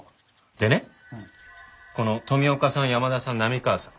でねこの富岡さん山田さん波川さん